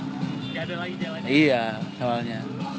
gak ada lagi jalannya